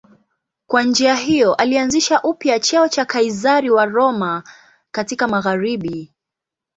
Kwa njia hiyo alianzisha upya cheo cha Kaizari wa Roma katika magharibi.